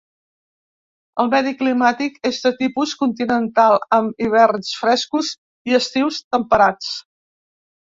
El medi climàtic és de tipus continental, amb hiverns frescos i estius temperats.